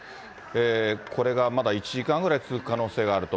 これがまだ１時間ぐらい続く可能性があると。